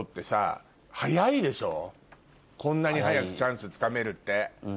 こんなに早くチャンスつかめるって。